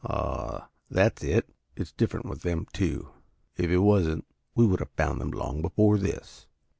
"Ah, that's it. It's different with them, too. If it wasn't, we would have found them long before this."